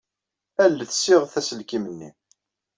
Alset ssiɣet aselkim-nni.